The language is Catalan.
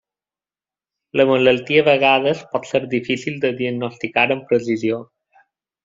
La malaltia a vegades pot ser difícil de diagnosticar amb precisió.